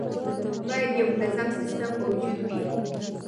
باید یو منظم سیستم موجود وي.